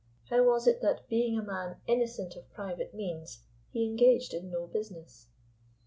How was it that, being a man innocent of private means, he engaged in no business?